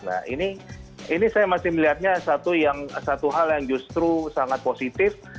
nah ini saya masih melihatnya satu hal yang justru sangat positif